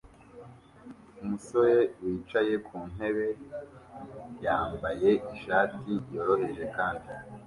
Umusore wicaye ku ntebe yambaye ishati yoroheje kandi